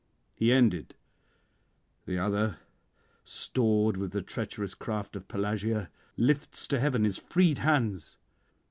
He ended; the other, stored with the treacherous craft of Pelasgia, lifts to heaven his freed hands.